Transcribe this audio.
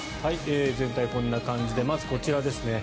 全体、こんな感じでまずこちらですね。